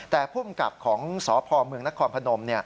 แต่ผู้บังกับของสพมือนครพนม